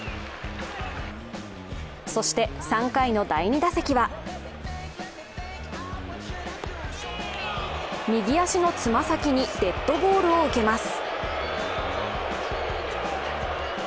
そして、３回の第２打席は右足のつま先にデッドボールを受けます。